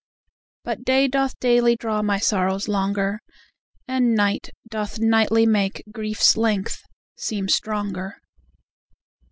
But day doth daily draw my sorrows longer, And night doth nightly make grief's length seem stronger.